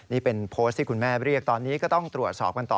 นี่เป็นโพสต์ที่คุณแม่เรียกตอนนี้ก็ต้องตรวจสอบกันต่อ